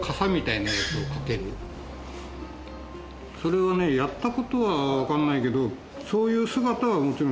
それをねやったことは分かんないけどそういう姿はもちろん記憶にあります。